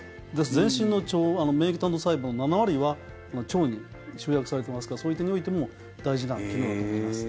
全身の免疫細胞の７割は腸に集約されていますからそういう点においても大事な機能だと思います。